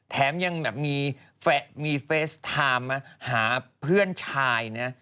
แถมยังแบบมีเฟสไทม์มาหาเพื่อนชายนะ